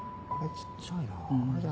ちっちゃいなあ。